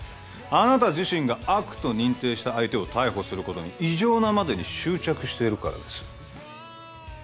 あなた自身が悪と認定した相手を逮捕することに異常なまでに執着しているからです